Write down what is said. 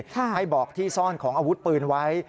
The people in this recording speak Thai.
ให้บอกที่ซ่อนของอาวุธปืนไว้